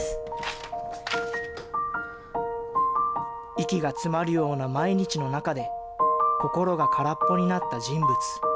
息が詰まるような毎日の中で、心が空っぽになった人物。